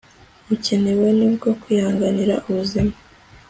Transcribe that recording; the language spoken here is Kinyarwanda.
bukenewe nibwo kwihangira ubuzima